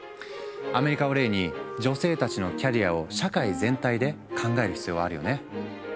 アメリカを例に女性たちのキャリアを社会全体で考える必要はあるよね。